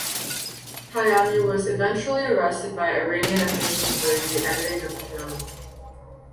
Payami was eventually arrested by Iranian officials during the editing of the film.